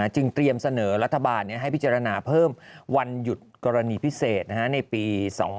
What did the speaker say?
จึงเตรียมเสนอรัฐบาลให้พิจารณาเพิ่มวันหยุดกรณีพิเศษในปี๒๕๖๒